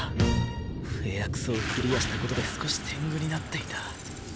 「フェアクソ」をクリアしたことで少し天狗になっていた。